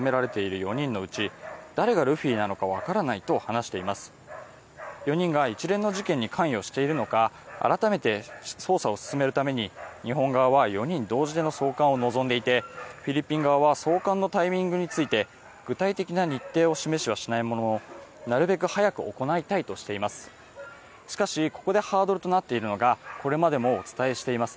４人が一連の事件に関与しているのか改めて捜査を進めるために日本側は４人同時での送還を望んでいてフィリピン側は送還のタイミングについて、具体的な日程を示しはしないもののなるべく早く行いたいとしています。